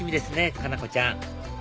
佳菜子ちゃん